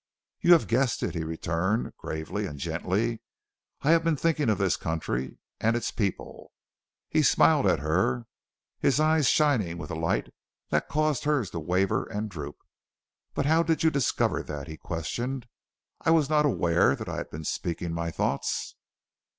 "You have guessed it," he returned gravely and gently; "I have been thinking of this country and its people." He smiled at her, his eyes shining with a light that caused hers to waver and droop. "But how did you discover that?" he questioned. "I was not aware that I had been speaking my thoughts."